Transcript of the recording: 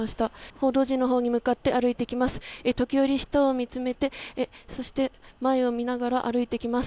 報道陣のほうに向かって歩いてきます。